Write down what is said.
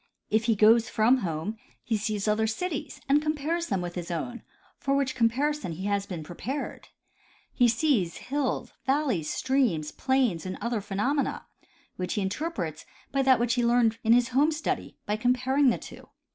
If he goes from home he sees other cities and compares them with his own, for which com parison he has been prepared ; he sees hills, valleys, streams, plains and other phenomena, which he interprets by that which he learned in his home study, by comparing the two.